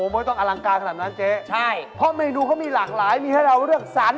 ไม่ต้องอลังการขนาดนั้นเจ๊ใช่เพราะเมนูเขามีหลากหลายมีให้เราเลือกสรร